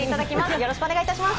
よろしくお願いします。